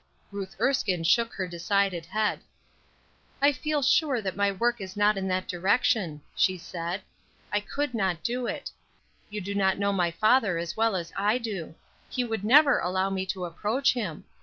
Ruth Erskine shook her decided head. "I feel sure that my work is not in that direction," she said. "I could not do it; you do not know my father as well as I do; he would never allow me to approach him.